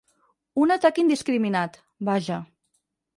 Un atac indiscriminat, vaja.